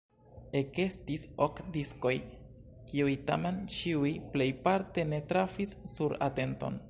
Ekestis ok diskoj, kiuj tamen ĉiuj plejparte ne trafis sur atenton.